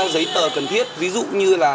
giấy tờ cần thiết ví dụ như là